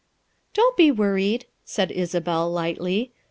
" "Don't be worried/' said Isabel lightly.